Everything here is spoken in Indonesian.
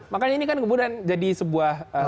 makanya ini kan kemudian jadi sebuah